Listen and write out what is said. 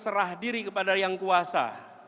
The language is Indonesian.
serah diri kepada yang kuasa